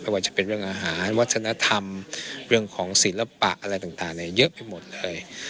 ว่าจะเป็นเรื่องอาหารวัฒนธรรมเรื่องของศิลปะอะไรต่างเยอะไปหมดเลย